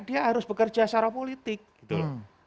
dia harus bekerja secara politik gitu loh